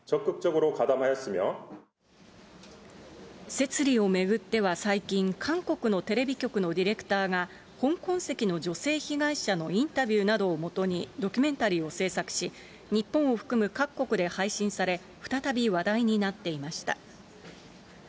摂理を巡っては、最近、韓国のテレビ局のディレクターが、香港籍の女性被害者のインタビューなどを基にドキュメンタリーを製作し、日本を含む各国で配信され、再び話題になっていました。